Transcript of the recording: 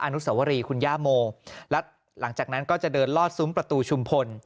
อนุสวรีคุณย่าโมและหลังจากนั้นก็จะเดินลอดซุ้มประตูชุมพล